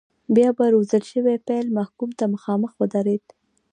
بیا به روزل شوی پیل محکوم ته مخامخ ودرېد.